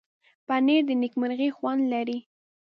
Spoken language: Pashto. پنېر د نېکمرغۍ خوند لري.